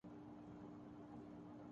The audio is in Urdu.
کوئی وجہ نہیں ہے۔